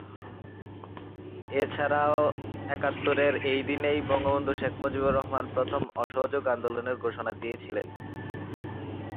এছাড়া একাত্তরের এই দিনেই বঙ্গবন্ধু শেখ মুজিবুর রহমান প্রথম অসহযোগ আন্দোলনের ঘোষণা দিয়েছিলেন।